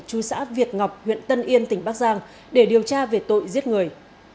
chú xã việt ngọc huyện tân yên tỉnh bắc giang để điều tra về tội giết người